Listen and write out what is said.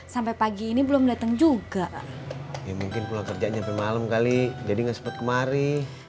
sampai pagi ini belum datang juga ya mungkin pulang kerja sampai malam kali jadi nggak sempat kemari